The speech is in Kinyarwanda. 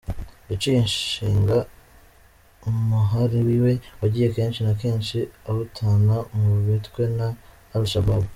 Yaciye ashinga umuhari wiwe wagiye kenshi na kenshi uatana mu mitwe na al-Shabab.